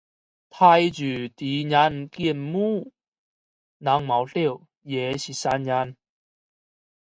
看着似人建模能不笑也是神人